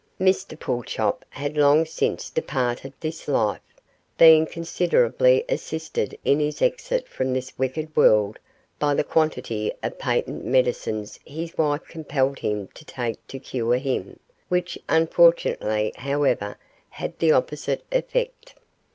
Mr Pulchop had long since departed this life, being considerably assisted in his exit from this wicked world by the quantity of patent medicines his wife compelled him to take to cure him, which unfortunately, however, had the opposite effect.